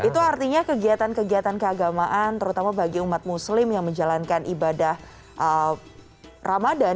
itu artinya kegiatan kegiatan keagamaan terutama bagi umat muslim yang menjalankan ibadah ramadan